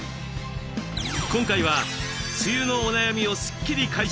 今回は梅雨のお悩みをスッキリ解消！